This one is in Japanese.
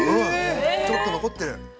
ちょっと残ってる。